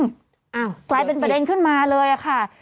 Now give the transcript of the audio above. กลายเป็นประเด็นขึ้นมาเลยค่ะ